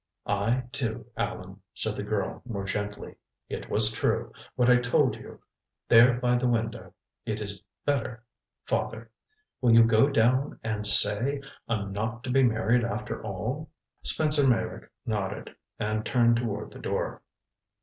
"I do, Allan," said the girl more gently. "It was true what I told you there by the window. It is better father! Will you go down and say I'm not to be married, after all?" Spencer Meyrick nodded, and turned toward the door.